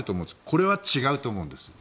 これは違うと思うんです。